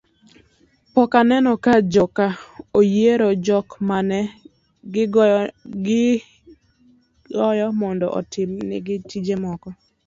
pok aneno ka joka oyiero jok mane ging'iyogo mondo otim nigi tije moko